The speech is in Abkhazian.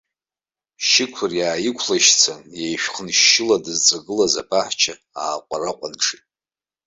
Шьықәыр иааиқәлашьцан, еишәхыншьшьыла дызҵагылаз абаҳча ааҟәараҟәанҽеит.